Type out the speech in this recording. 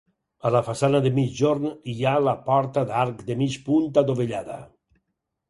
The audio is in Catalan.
A la façana de migjorn hi ha la porta d'arc de mig punt adovellada.